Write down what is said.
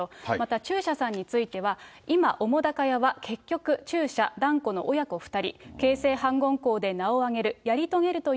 また、中車さんについては、今、澤瀉屋は、結局中車、團子の親子２人。